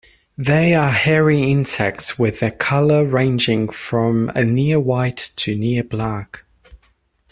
They are hairy insects with their colour ranging from a near-white to near-black.